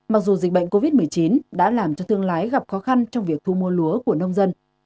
mặc dù dịch bệnh covid một mươi chín đã làm cho thương lái gặp khó khăn trong việc thu mua lúa của nông dân